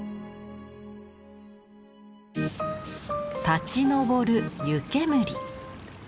立ち上る湯煙。